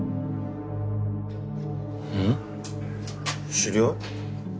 知り合い？